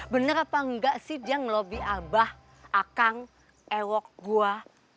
benar apa enggak sih dia ngelobi abah akang ewok gue